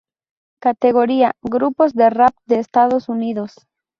Categoría:Grupos de rap de Estados Unidos